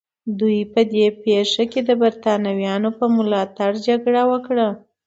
دوی په دې پېښه کې د برېټانویانو په ملاتړ جګړه وکړه.